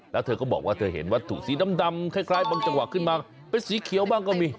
แล้วเธอก็บอกว่าเธอเห็นวัตถุสีดำคล้ายบางจังหวะขึ้นมาเป็นสีเขียวบ้างก็มี